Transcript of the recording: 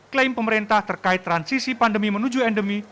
klaim pemerintah terkait transisi pandemi menuju endemi